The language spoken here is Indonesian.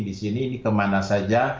di sini kemana saja